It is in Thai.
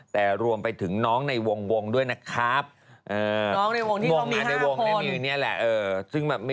แต่รวมไปถึงน้องในวงด้วยนะครับ